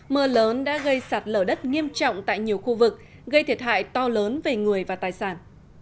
mưa lớn đã gây sạt lở đất nghiêm trọng tại nhiều khu vực gây thiệt hại to lớn về người và tài sản